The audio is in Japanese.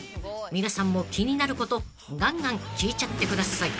［皆さんも気になることガンガン聞いちゃってください］